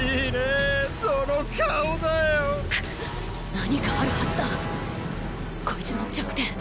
何かあるはずだこいつの弱点